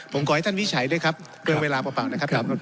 ผมขอให้ท่านวิจัยด้วยครับเกินเวลาเปล่านะครับ